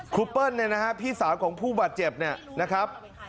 ครูเปิ้ลพี่สาวของผู้บาดเจ็บนะครับ